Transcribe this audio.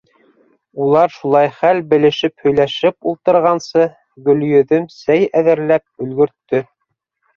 Улар шулай хәл белешеп һөйләшеп ултырғансы, Гөлйөҙөм сәй әҙерләп өлгөрттө.